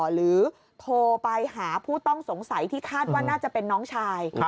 หรือโทรไปหาผู้ต้องสงสัยที่คาดว่าน่าจะเป็นน้องชาย